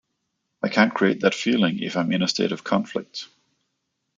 I can't create that feeling if I'm in a state of conflict.